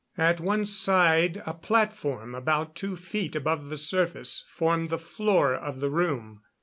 At one side a platform about two feet above the surface formed the floor of the room.